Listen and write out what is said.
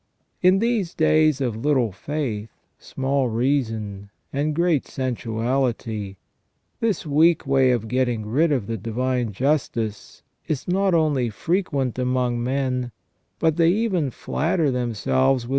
In these days of little faith, small reason, and great sensuality, this weak way of getting rid of the divine justice is not only frequent among men, but they even flatter themselves with * S.